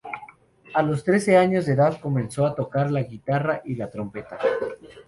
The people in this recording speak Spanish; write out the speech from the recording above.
A los trece años de edad, comenzó a tocar la guitarra y la trompeta.